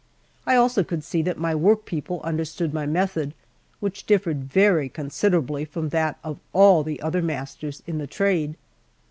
I also could see that my work people understood my method, which differed very considerably from that of all the other masters in the trade.